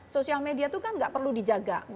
sosial media itu kan nggak perlu dijaga